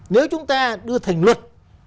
nếu chúng ta đưa thành luật